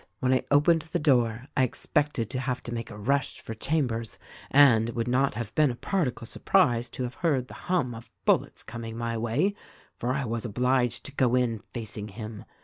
"When I opened the door I expected to have to make a rush for Chambers and would not have been a particle surprised to have heard the hum of bullets coming my way, for I was obliged to go in facing him.